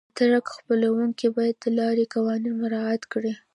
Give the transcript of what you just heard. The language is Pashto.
د ټرک چلونکي باید د لارې قوانین مراعات کړي.